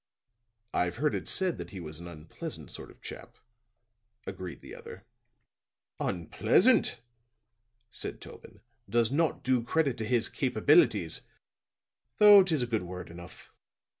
"I've heard it said that he was an unpleasant sort of chap," agreed the other. "Unpleasant," said Tobin, "does not do credit to his capabilities, though 'tis a good word enough.